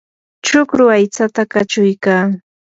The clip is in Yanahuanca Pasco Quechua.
chukru aytsata kachuykaa.